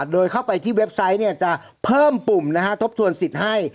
โดยเข้าไปที่เว็บไซต์จะเพิ่มปุ่มทบทวนสิทธิ์ให้